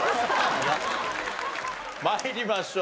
参りましょう。